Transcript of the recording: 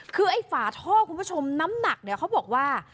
คือไอ้ฝาท่อคุณผู้ชมน้ำหนักเนี่ยเขาบอกว่า